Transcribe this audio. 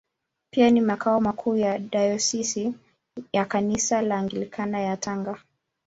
Pia ni makao makuu ya Dayosisi ya Kanisa la Anglikana ya Tanga.